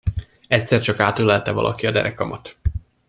Egyszer csak átölelte valaki a derekamat...